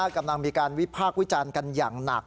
กำลังมีการวิพากษ์วิจารณ์กันอย่างหนัก